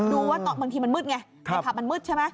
ดูว่าบางทีมันมืดไงในผับมันมืดใช่ไหม